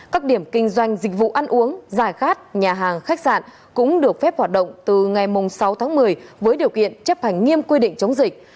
các điểm kinh doanh dịch vụ ăn uống giải khát nhà hàng khách sạn cũng được phép hoạt động từ ngày sáu tháng một mươi với điều kiện chấp hành nghiêm quy định chống dịch